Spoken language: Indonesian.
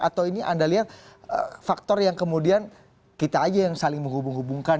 atau ini anda lihat faktor yang kemudian kita aja yang saling menghubung hubungkan